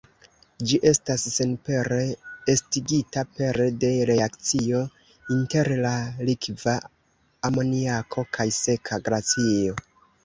Ĝi estas senpere estigita pere de reakcio inter la likva amoniako kaj seka glacio.